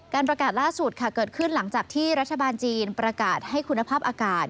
ประกาศล่าสุดค่ะเกิดขึ้นหลังจากที่รัฐบาลจีนประกาศให้คุณภาพอากาศ